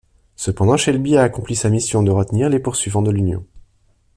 Cependant, Shelby a accompli sa mission de retenir les poursuivants de l'Union.